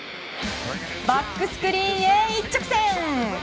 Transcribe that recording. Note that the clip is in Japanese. バックスクリーンへ一直線！